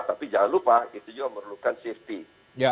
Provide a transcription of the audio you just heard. tapi jangan lupa itu juga memerlukan safety